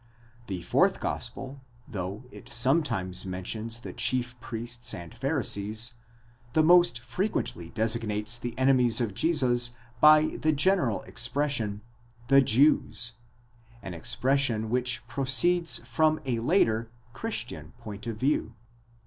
The fourth gospel, though it sometimes men tions the chief priests and Pharisees, the most frequently designates the ene mies of Jesus by the general expression : οἱ Ἰουδαῖοι, the Jews ; an expression which proceeds from a later, Christian point of view.